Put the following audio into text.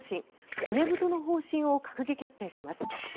骨太の方針を閣議決定します。